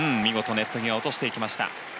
ネット際に落としていきました。